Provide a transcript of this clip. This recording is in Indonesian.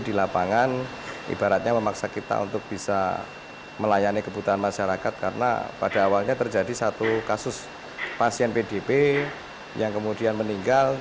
di lapangan ibaratnya memaksa kita untuk bisa melayani kebutuhan masyarakat karena pada awalnya terjadi satu kasus pasien pdp yang kemudian meninggal